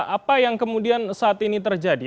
apa yang kemudian saat ini terjadi